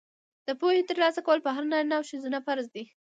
د پوهې ترلاسه کول په هر نارینه او ښځینه فرض دي.